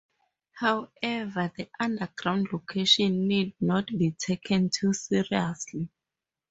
However, the underground location need not be taken too seriously.